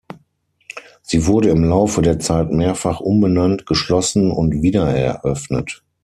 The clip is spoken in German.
Sie wurde im Laufe der Zeit mehrfach umbenannt, geschlossen und wiedereröffnet.